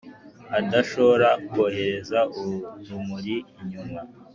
adashora kohereza urumuri inyuma